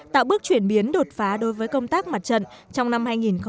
tạo bước chuyển biến đột phá đối với công tác mặt trận trong năm hai nghìn một mươi bảy